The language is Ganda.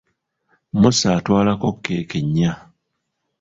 Musa atwalako keeki nnya.